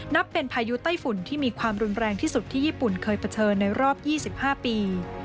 เป็นพายุไต้ฝุ่นที่มีความรุนแรงที่สุดที่ญี่ปุ่นเคยเผชิญในรอบ๒๕ปี